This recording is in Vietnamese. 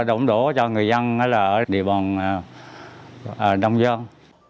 đủ đủ cho người dân ở địa bàn đông giang